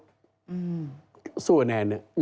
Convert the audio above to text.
สู่แบบนั้นเนี่ย